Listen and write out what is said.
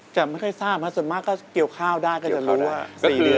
ไม่ค่อยทราบส่วนมากก็เกี่ยวข้าวได้ก็จะรู้ว่า๔เดือน